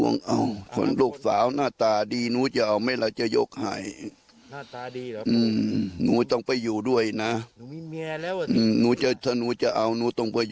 น่ารักแล้วเขาจะรวยกันอย่างไง